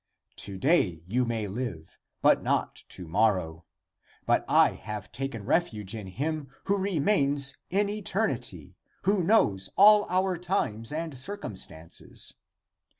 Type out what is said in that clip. To day you may live, but not to morrow; but I have taken refuge in him who remains in eternity, who knows all our times and circumstances.